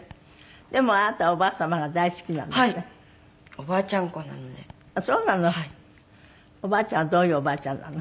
おばあちゃんはどういうおばあちゃんなの？